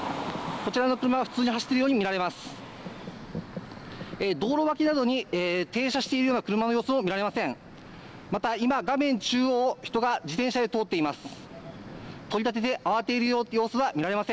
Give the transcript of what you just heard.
こちらの車は普通に走っているように見られます。